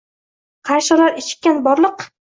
Qarshi olar ichikkan borliq.